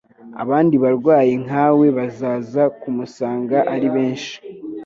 abandi barwayi nka we bazaza kumusanga ari benshi;